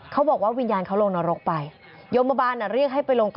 เขาบอกว่าวิญญาณเขาลง